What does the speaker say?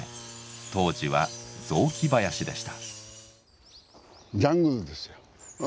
当時は雑木林でした。